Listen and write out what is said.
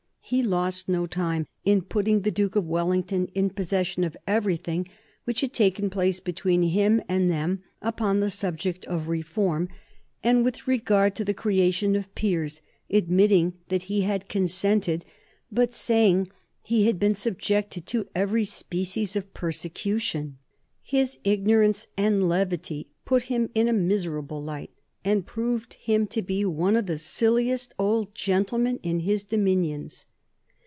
He lost no time in putting the Duke of Wellington in possession of everything which had taken place between him and them upon the subject of reform and with regard to the creation of peers, admitting that he had consented, but saying he had been subjected to every species of persecution. His ignorance and levity put him in a miserable light and proved him to be one of the silliest old gentlemen in his dominions."